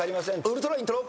ウルトライントロ。